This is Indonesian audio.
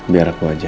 biar aku aja